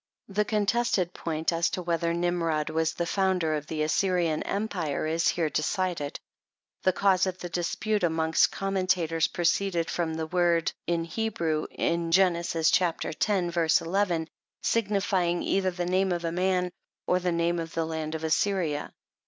The contested point, as to whether Nimrod was the founder of the Assyrian Empire, is here decided. The cause of the dispute amongst commentators proceeded from the word ")^J^K in Gen. chapter x. ver. 11, signifying either the name of a man, or the name of the land of Assyria.